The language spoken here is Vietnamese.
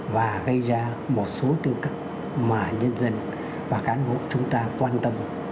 và gây ra một số tư cách mà nhân dân và cán bộ chúng ta quan tâm